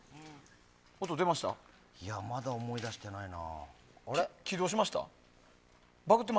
いや、まだ思い出してないな。